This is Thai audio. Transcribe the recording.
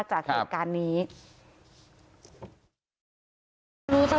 ความปลอดภัยของนายอภิรักษ์และครอบครัวด้วยซ้ำ